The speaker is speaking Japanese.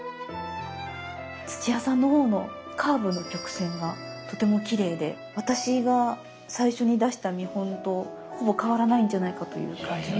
土屋さんのほうのカーブの曲線がとてもきれいで私が最初に出した見本とほぼ変わらないんじゃないかという感じの。